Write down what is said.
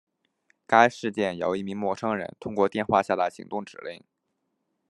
该事件由一名陌生人通过电话下达行动指令。